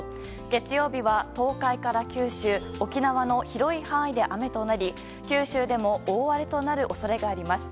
月曜日は、東海から九州・沖縄の広い範囲で雨となり九州でも大荒れとなる恐れがあります。